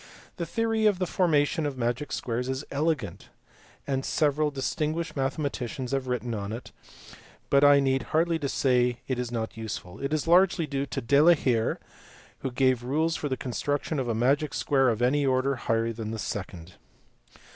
The theory of the formation of magic squares is elegant and several distinguished mathematicians have written on it, but I need hardly say it is not useful : it is largely due to De la Hire who gave rules for the construction of a magic square of any order higher than the second.